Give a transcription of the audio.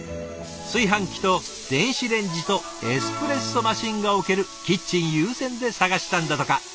炊飯器と電子レンジとエスプレッソマシンが置けるキッチン優先で探したんだとか。